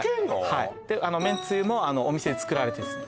はいでめんつゆもお店で作られてるんですね